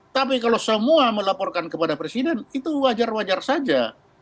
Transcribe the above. tapi kalau semua melaporkan kepada presiden itu wajar wajar saja